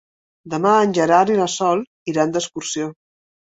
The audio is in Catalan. Demà en Gerard i na Sol iran d'excursió.